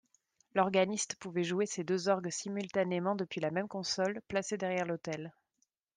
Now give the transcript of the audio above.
L'organiste pouvait jouer ces deux orgues simultanément depuis la même console, placée derrière l'autel.